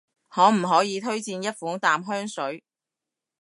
可唔可以推薦一款淡香水？